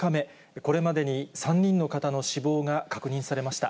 これまでに３人の方の死亡が確認されました。